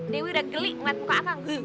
dewi udah geli ngeliat muka akan